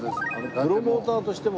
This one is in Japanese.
プロモーターとしても。